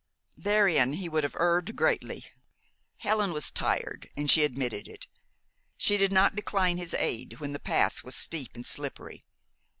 Therein he would have erred greatly. Helen was tired, and she admitted it. She did not decline his aid when the path was steep and slippery.